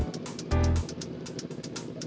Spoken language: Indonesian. jadi yuk kita jalan terus siangan lagi